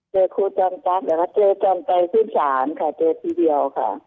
เจอครูจอมซับแล้วก็เจอจอมใจซึ่งสามค่ะเจอทีเดียวค่ะ